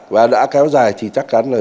và đã kéo dài thì chắc chắn là